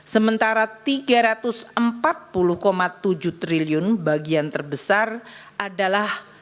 sementara tiga ratus empat puluh tujuh triliun bagian terbesar adalah